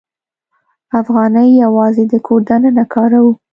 افغانۍ یوازې د کور دننه کاروو.